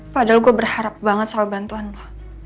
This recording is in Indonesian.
padahal gue berharap banget sama bantuan lo